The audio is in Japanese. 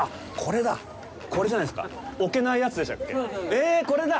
えっ、これだ！